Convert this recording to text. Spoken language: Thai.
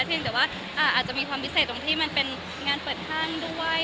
เพียงแต่ว่าอาจจะมีความพิเศษตรงที่มันเป็นงานเปิดทางด้วย